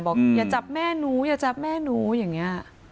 อย่าจับแม่หนูอย่าจับแม่หนูอย่างนี้